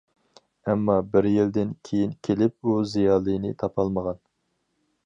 ئەمما بىر يىلدىن كېيىن كېلىپ ئۇ زىيالىينى تاپالمىغان.